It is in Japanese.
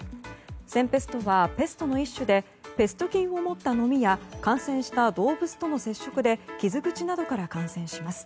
腺ペストはペストの一種でペスト菌を持ったノミや感染した動物との接触で傷口などから感染します。